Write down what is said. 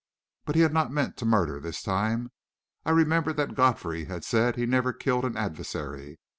But he had not meant murder this time; I remembered that Godfrey had said he never killed an adversary.